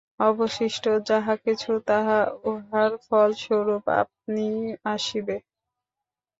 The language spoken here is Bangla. অবশিষ্ট যাহা কিছু, তাহা উহার ফলস্বরূপ আপনিই আসিবে।